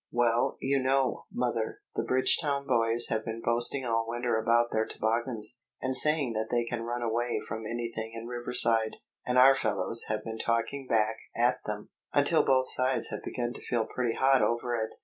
"Well, you know, mother, the Bridgetown boys have been boasting all winter about their toboggans, and saying that they can run away from anything in Riverside, and our fellows have been talking back at them, until both sides have begun to feel pretty hot over it.